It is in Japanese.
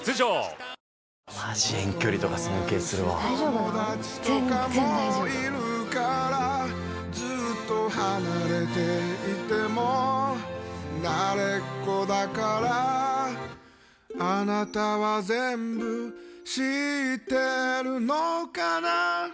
友達とかもいるからずっと離れていても慣れっこだからあなたは全部知ってるのかな